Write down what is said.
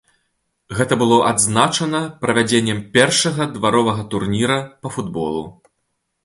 Гэта было адзначана правядзеннем першага дваровага турніра па футболу.